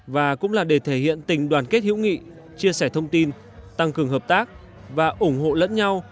và cũng là để thể hiện tình đoàn kết hữu nghị chia sẻ thông tin tăng cường hợp tác và ủng hộ lẫn nhau